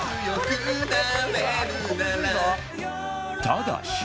ただし